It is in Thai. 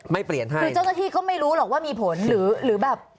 ไม่เปลี่ยนท่าคือเจ้าหน้าที่ก็ไม่รู้หรอกว่ามีผลหรือหรือแบบ